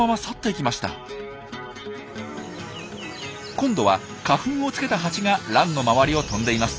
今度は花粉をつけたハチがランの周りを飛んでいます。